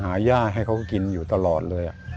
หาย่าให้เขากินอยู่ตลอดเลย